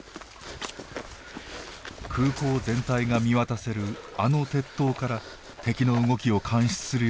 空港全体が見渡せるあの鉄塔から敵の動きを監視するよう命じられます。